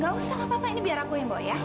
gak papa ini biar aku yang bawa ya